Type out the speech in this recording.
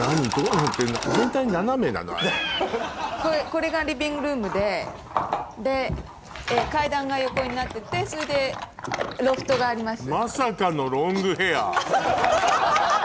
これがリビングルームでで階段が横になっててそれでロフトがあります。